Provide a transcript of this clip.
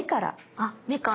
あっ目から。